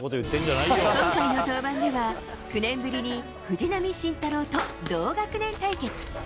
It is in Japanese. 今回の登板では、９年ぶりに藤浪晋太郎と同学年対決。